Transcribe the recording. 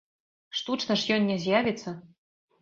Штучна ж ён не з'явіцца!